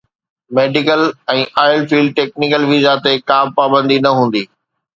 medical ۽ oil field technical visa تي ڪا به پابندي نه هوندي